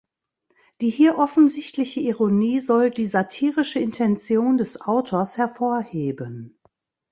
Die hier offensichtliche Ironie soll die satirische Intention des Autors hervorheben.